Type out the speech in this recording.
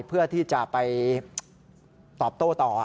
เพื่อที่จะไปตอบโต้ต่อ